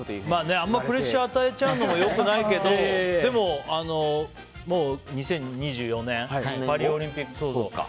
あまりプレッシャー与えちゃうのも良くないけどでも、２０２４年のパリオリンピック。